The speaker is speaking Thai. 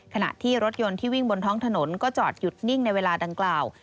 ขณะที่รถยนต์ที่วิ่งบนท้องถนนก็จอดหยุดนิ่งในเวลาดังกล่าว